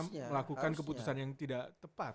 karena melakukan keputusan yang tidak tepat